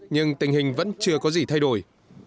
nhưng tình hình vẫn chưa có gì thay đổi